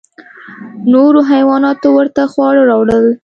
نورو حیواناتو ورته خواړه راوړل.